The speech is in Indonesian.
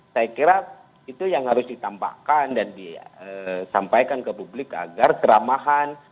saya kira itu yang harus ditambahkan dan disampaikan ke publik agar keramahan